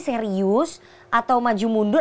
serius atau maju mundur